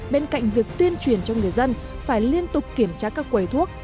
bên cạnh việc tuyên truyền cho người dân phải liên tục kiểm tra các quầy thuốc